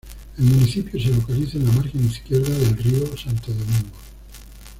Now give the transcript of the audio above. El Municipio se localiza en la margen izquierda del río Santo Domingo.